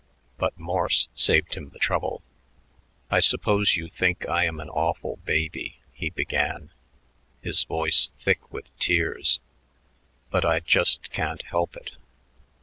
But Morse saved him the trouble. "I suppose you think I am an awful baby," he began, his voice thick with tears, "but I just can't help it.